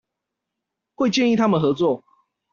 會建議他們合作